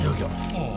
ああ。